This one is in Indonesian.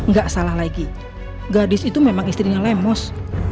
tidak salah lagi gadis itu memang istrinya lemus